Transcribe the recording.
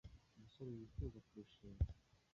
umusore wifuza kurushinga